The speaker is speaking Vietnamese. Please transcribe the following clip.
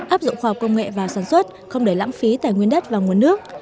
áp dụng khoa học công nghệ vào sản xuất không để lãng phí tài nguyên đất và nguồn nước